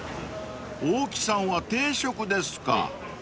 ［大木さんは定食ですか］